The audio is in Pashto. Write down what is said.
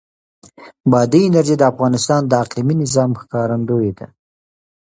بادي انرژي د افغانستان د اقلیمي نظام ښکارندوی ده.